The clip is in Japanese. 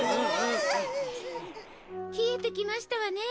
冷えてきましたわね。